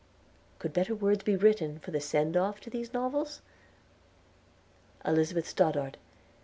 '" Could better words be written for the send off of these novels? ELIZABETH STODDARD.